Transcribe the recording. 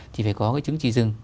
thì phải có cái trứng trị rừng